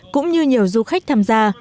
cũng như nhiều du khách tham gia